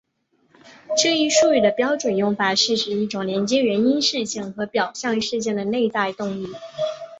这一术语的标准用法是指一种连接原因事件和表象事件的内在动力。